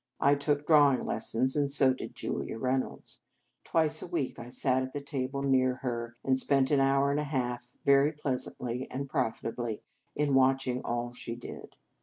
I took drawing lessons, and so did Julia Reynolds. Twice a week I sat at a table near her, and spent an hour and a half very pleasantly and profitably in watching all she did.